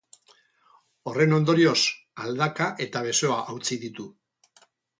Horren ondorioz, aldaka eta besoa hautsi ditu.